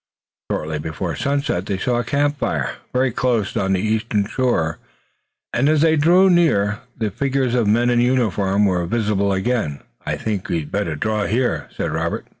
Shortly before sunset they saw a camp fire, very close on the eastern shore, and as they drew near the figures of men in uniform were visible against the red glow. "I think we'd better draw in here," said Robert.